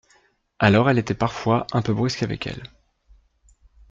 Alors elle était parfois un peu brusque avec elle